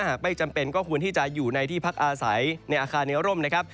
หากไม่จำเป็นก็ควรที่จะอยู่ในที่พักอาศัยในอาคารในร่มนะครับ